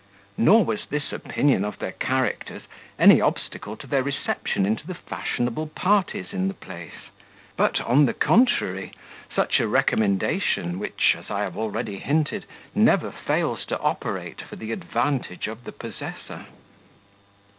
Nor was this opinion of their characters any obstacle to their reception into the fashionable parties in the place; but, on the contrary, such a recommendation, which, as I have already hinted, never fails to operate for the advantage of the possessor.